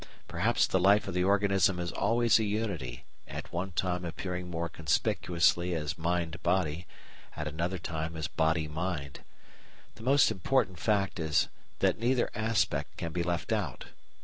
Perhaps the life of the organism is always a unity, at one time appearing more conspicuously as Mind body, at another time as Body mind. The most important fact is that neither aspect can be left out.